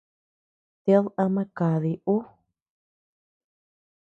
Ted ama kadi uu.